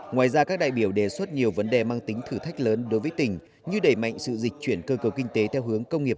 ngoài ra các đại biểu đề xuất nhiều vấn đề mang tính thử thách lớn đối với tỉnh như đẩy mạnh sự dịch chuyển cơ cầu kinh tế theo hướng công nghiệp bốn